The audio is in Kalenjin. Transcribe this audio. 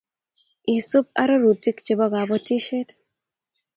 Isub arorutik Chebo kapotisiet